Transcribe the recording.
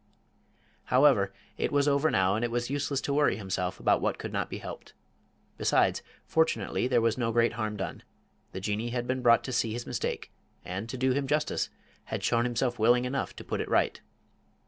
However, it was over now, and it was useless to worry himself about what could not be helped. Besides, fortunately, there was no great harm done; the Jinnee had been brought to see his mistake, and, to do him justice, had shown himself willing enough to put it right.